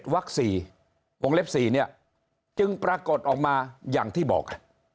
๙๑วัก๔องค์เล็ก๔เนี่ยจึงปรากฏออกมาอย่างที่บอก